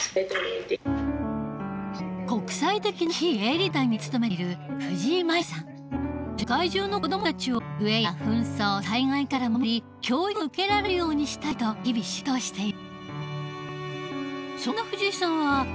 国際的な非営利団体に勤めている世界中の子どもたちを飢えや紛争災害から守り教育が受けられるようにしたいと日々仕事をしている。